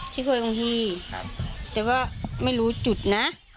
แต่ว่าไม่รู้จุดนะ